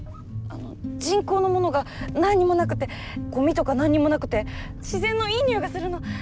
人工のものが何にもなくてごみとか何にもなくて自然のいい匂いがするの！